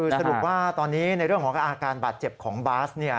สรุปว่าตอนนี้ในเรื่องของอาการบาดเจ็บของบาส